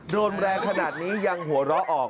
โดนแรงขนาดนี้ยังหัวเราะออก